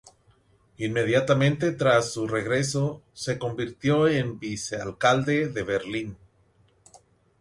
Inmediatamente tras su regreso se convirtió en vicealcalde de Berlín.